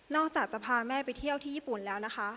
จากจะพาแม่ไปเที่ยวที่ญี่ปุ่นแล้วนะคะ